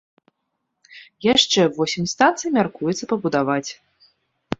Яшчэ восем станцый мяркуецца пабудаваць.